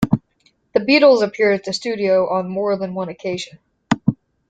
The Beatles appeared at the studios on more than one occasion.